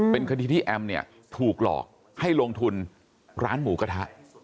เป็นคดีที่แอมเนี่ยถูกหลอกให้ลงทุนร้านหมูกระทะ